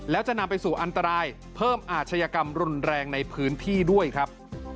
แล้วจะนำไปสู่อันตรายเพิ่มอาชญากรรมรุนแรงในพื้นที่ด้วยครับ